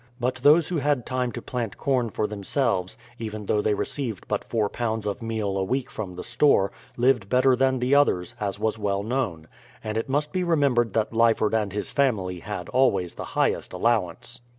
But those who had time to plant corn for themselves, even though they received but 4 lbs. of meal a week from the store, lived better than the 152 BRADFORD'S HISTORY OP others, as was well known. And it must be remembered that Ly ford and his family had always the highest allowance.